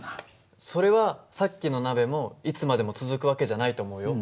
それはさっきの鍋もいつまでも続く訳じゃないと思うよ。